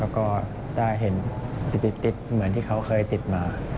แล้วก็ได้เห็นติดเหมือนที่เขาเคยติดมา